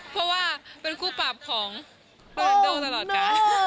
เพราะว่าเป็นคู่ปราบของโรนาโดซัลลอดค่ะ